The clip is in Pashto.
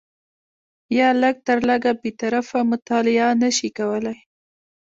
یا لږ تر لږه بې طرفه مطالعه نه شي کولای